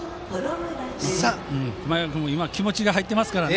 熊谷君も今、気持ちが入っていますから。